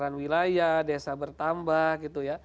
pergerakan wilayah desa bertambah gitu ya